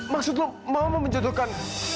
maksud lo mama menjodohkan